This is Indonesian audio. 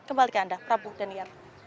kembali ke anda prabu daniar